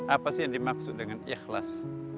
apa sih yang dimaksud dengan ikhlas